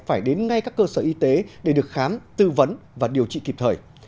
phải đến ngay các cơ sở y tế để được khám tư vấn và điều trị kịp thời